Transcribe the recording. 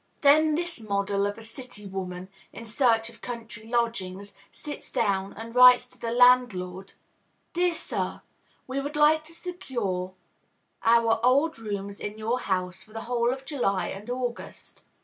Then this model of a city woman, in search of country lodgings, sits down and writes to the landlord: "Dear Sir, We would like to secure our old rooms in your house for the whole of July and August.